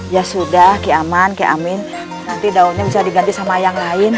ya sudah ki aman ki amin nanti daunnya bisa diganti sama yang lain